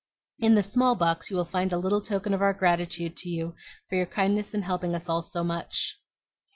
In the small box you will find a little token of our gratitude to you for your kindness in helping us all so much.